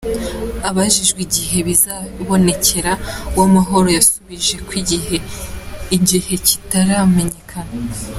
Abajijwe igihe zizabonekera, Uwamahoro yasubije ko igihe igihe kitaramenyekana.